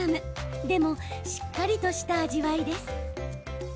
でも、しっかりとした味わいです。